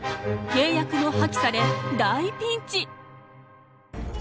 契約も破棄され大ピンチ！